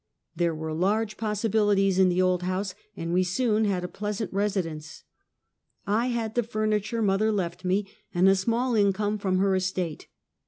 There were large possibilities in the old house, and we soon had a pleasant residence. I had the furni ture mother left me, and a small income from her estate.